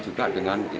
juga dengan itu masker